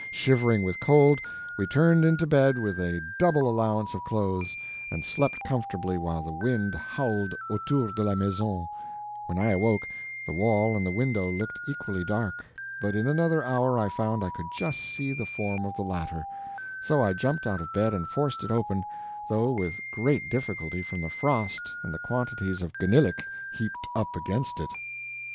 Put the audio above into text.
Shivering with cold, we turned into bed with a double allowance of clothes, and slept comfortably while the wind howled AUTOUR DE LA MAISON; when I awoke, the wall and the window looked equally dark, but in another hour I found I could just see the form of the latter; so I jumped out of bed, and forced it open, though with great difficulty from the frost and the quantities of GNILLIC heaped up against it.